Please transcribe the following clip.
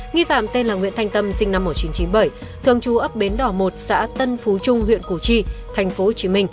nghi phạm tên là nguyễn thanh tâm sinh năm một nghìn chín trăm chín mươi bảy thường trú ấp bến đỏ một xã tân phú trung huyện củ chi tp hcm